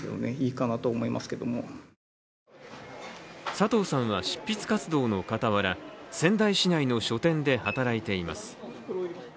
佐藤さんは執筆活動の傍ら仙台市内の書店で働いています。